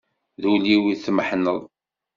D ul-iw i tmeḥneḍ.